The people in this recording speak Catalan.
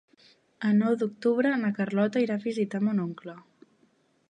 El nou d'octubre na Carlota irà a visitar mon oncle.